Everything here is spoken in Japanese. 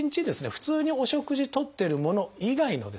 普通にお食事とってるもの以外のですね